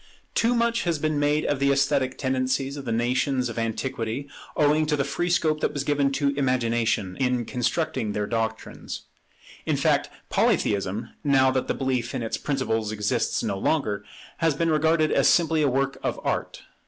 [Neither in Polytheism] Too much has been made of the esthetic tendencies of the nations of antiquity, owing to the free scope that was given to Imagination in constructing their doctrines. In fact Polytheism, now that the belief in its principles exists no longer, has been regarded as simply a work of art.